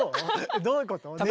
どういうこと？